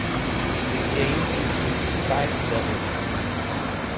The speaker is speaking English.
The game includes five levels.